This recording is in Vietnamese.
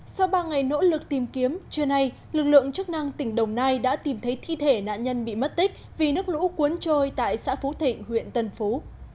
sau ba ngày nỗ lực tìm kiếm trưa nay lực lượng chức năng tỉnh đồng nai đã tìm thấy thi thể nạn nhân bị mất tích vì nước lũ cuốn trôi tại xã phú thịnh huyện tân phú